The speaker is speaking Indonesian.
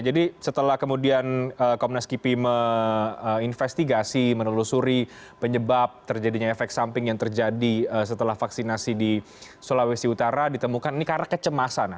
jadi setelah kemudian komunas kipi menelusuri penyebab terjadinya efek samping yang terjadi setelah vaksinasi di sulawesi utara ditemukan ini karena kecemasan